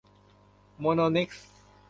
โมโน เน็กซ์